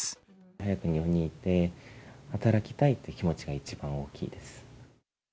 早く日本に行って、働きたいという気持ちが一番大きいです。